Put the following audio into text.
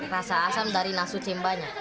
rasa asam dari nasu cembanya